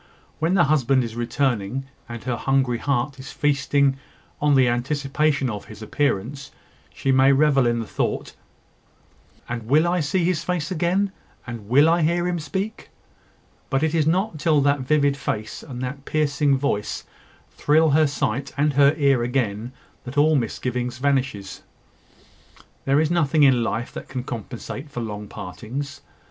When the husband is returning, and her hungry heart is feasting on the anticipation of his appearance, she may revel in the thought "And will I see his face again, And will I hear him speak?" But it is not till that vivid face and that piercing voice thrill her sight and her ear again that all misgiving vanishes. There is nothing in life that can compensate for long partings.